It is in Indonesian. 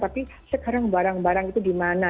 tapi sekarang barang barang itu dimana